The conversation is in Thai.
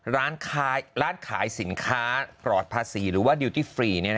ร้านขายสินค้าปลอดภาษีหรือว่าดิวตี้ฟรี